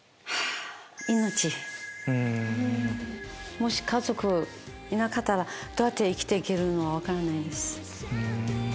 もし家族いなかったらどうやって生きて行けるのか分からないです。